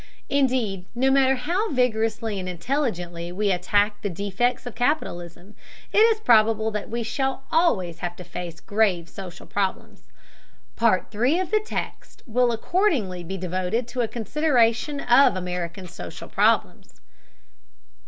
Indeed, no matter how vigorously and intelligently we attack the defects of capitalism, it is probable that we shall always have to face grave social problems. Part III of the text will accordingly be devoted to a consideration of American social problems.